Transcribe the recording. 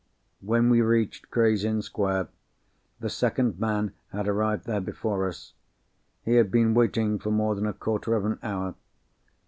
When we reached Gray's Inn Square, the second man had arrived there before us. He had been waiting for more than a quarter of an hour.